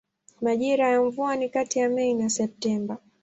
Majira ya mvua ni kati ya Mei na Septemba.